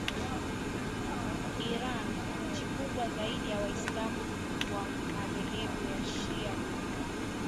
Iran, nchi kubwa zaidi ya waislam wa madhehebu ya shia duniani